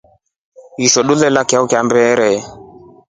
Ngoto ntwela chao cha mmbere.